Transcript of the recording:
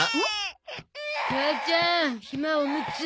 母ちゃんひまおむつ。